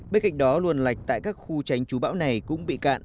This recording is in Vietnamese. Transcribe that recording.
bên cạnh đó luồn lạch tại các khu tránh chú bão này cũng bị cạn